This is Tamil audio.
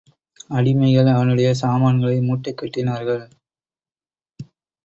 அடிமைகள் அவனுடைய சாமான்களை மூட்டைக் கட்டினார்கள்.